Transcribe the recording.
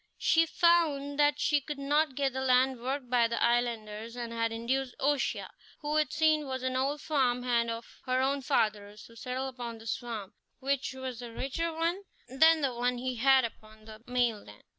She found that she could not get the land worked by the islanders, and had induced O'Shea, who it seemed was an old farm hand of her own father's, to settle upon this farm, which was a richer one than the one he had had upon the mainland.